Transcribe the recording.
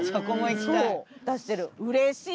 うれしいな！